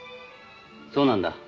「そうなんだ。